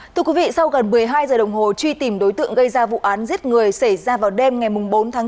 thưa quý vị sau gần một mươi hai giờ đồng hồ truy tìm đối tượng gây ra vụ án giết người xảy ra vào đêm ngày bốn tháng chín